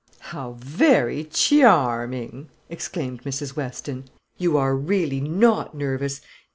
"How very chy arming!" exclaimed Mrs. Weston. "You are really not nervous.